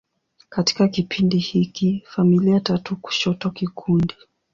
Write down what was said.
Katika kipindi hiki, familia tatu kushoto kikundi.